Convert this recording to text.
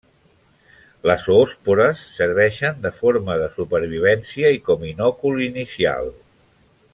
Les oòspores serveixen de forma de supervivència i com inòcul inicial.